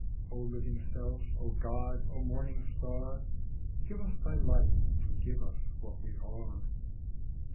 O living self, O God, O morning star, Give us thy light, forgive us what we are.